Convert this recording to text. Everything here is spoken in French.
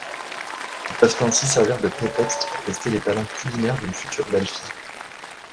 Ils peuvent ainsi servir de prétexte pour tester les talents culinaires d'une future belle-fille.